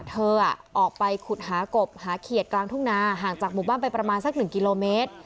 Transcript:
เธอออกไปขุดหากบหาเขียดกลางทุ่งนาห่างจากหมู่บ้านไปประมาณสัก๑กิโลเมตร